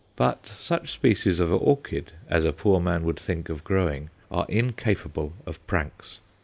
But such species of orchids as a poor man would think of growing are incapable of pranks.